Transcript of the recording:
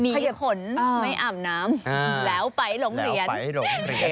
มีคนไม่อาบน้ำแล้วไปโรงเรียน